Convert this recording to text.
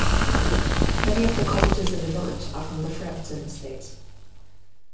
Many of the cottages in the village are from the Frampton estate.